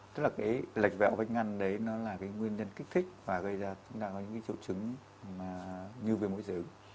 tức là lệch vẹo vách ngăn đấy là nguyên nhân kích thích và gây ra những triều chứng như viêm mũi dị ứng